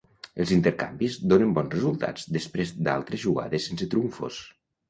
Els intercanvis donen bons resultats després d'altres jugades sense trumfos.